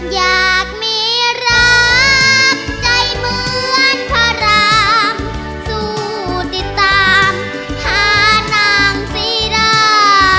อยากมีรักใจเหมือนพระรามสู้ติดตามหานางศรีดา